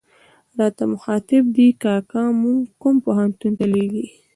راته مخاطب دي، کاکا موږ کوم پوهنتون ته لېږې.